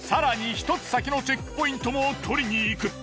１つ先のチェックポイントも取りに行く。